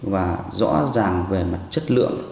và rõ ràng về mặt chất lượng